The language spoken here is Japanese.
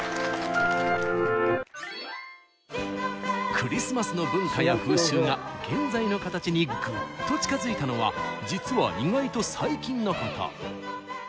クリスマスの文化や風習が現在の形にぐっと近づいたのは実は意外と最近のこと！